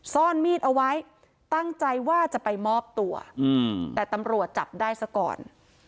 ซ่อนมีดเอาไว้ตั้งใจว่าจะไปมอบตัวแต่ตำรวจจับได้ซะก่อน